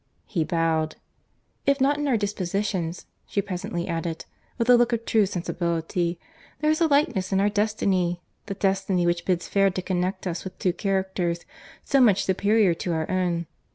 He bowed. "If not in our dispositions," she presently added, with a look of true sensibility, "there is a likeness in our destiny; the destiny which bids fair to connect us with two characters so much superior to our own."